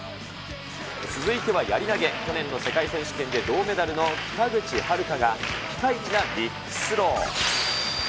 続いてはやり投げ、去年の世界選手権で銅メダルの北口榛花が、ピカイチなビッグスロー。